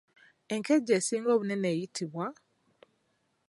Enkejje esinga obunene eyitibwa?